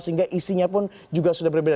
sehingga isinya pun juga sudah berbeda